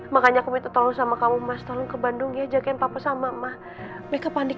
makanya aku minta tolong sama kamu mas tolong ke bandung ya jagain papa sama ma mereka panik